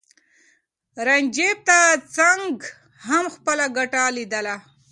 رنجیت سنګ هم خپله ګټه لیدله.